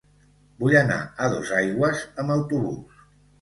Vull anar a Dosaigües amb autobús.